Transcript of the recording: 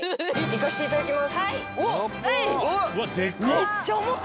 行かしていただきますおっ！